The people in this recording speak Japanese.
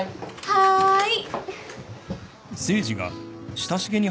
はい。